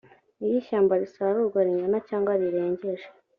iyo ishyamba risarurwa ringana cyangwa rirengeje